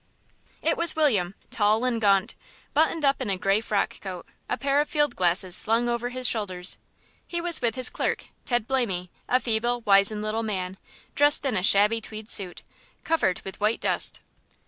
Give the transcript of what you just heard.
It was William, tall and gaunt, buttoned up in a grey frock coat, a pair of field glasses slung over his shoulders. He was with his clerk, Ted Blamy, a feeble, wizen little man, dressed in a shabby tweed suit, covered with white dust.